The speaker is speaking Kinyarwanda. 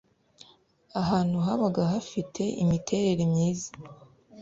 ahantu habaga hafite imiterere myiza